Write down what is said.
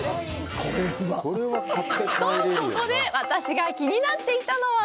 と、ここで私が気になっていたのは。